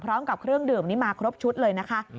พร้อมกับเครื่องดื่มนี้มาครบชุดเลยนะคะ